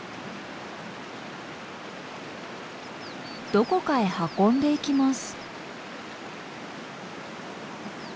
どこかへ運んでいきます。